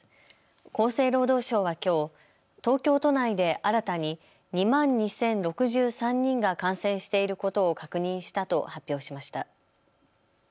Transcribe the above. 厚生労働省はきょう、東京都内で新たに２万２０６３人が感染していることを確認したと発表しました。